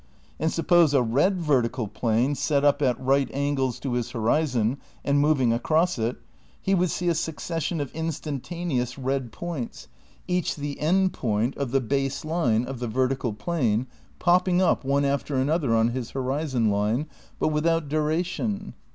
And suppose a red vertical plane set up at right angles to his horizon and moving across it, he would see a succession of instantaneous red points (each the end point of the base line of the ver tical plane) popping up, one after another, on his horizon line, but without duration.